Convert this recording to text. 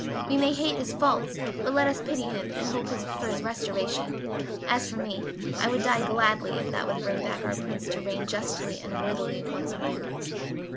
We may hate his faults, but let us pity him and hope for his restoration. As for me, I would die gladly if that could bring back our Prince to reign justly and worthily once more."